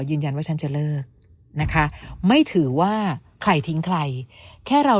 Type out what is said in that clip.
ยืนยันว่าฉันจะเลิกนะคะไม่ถือว่าใครทิ้งใครแค่เรา